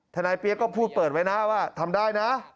เปี๊ยกก็พูดเปิดไว้นะว่าทำได้นะ